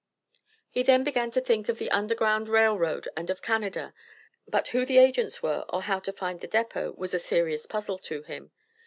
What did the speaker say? He then began to think of the Underground Rail Road and of Canada; but who the agents were, or how to find the depot, was a serious puzzle to him.